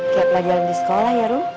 kayak pelajaran di sekolah ya ru